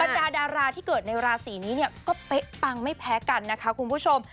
ดาดาราที่เกิดในราศีนี้เนี่ยก็เป๊ะปังไม่แพ้กันนะคะคุณผู้ชม